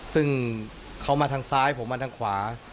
ซึ่งเขามาทางซ้ายผมมาทางขวา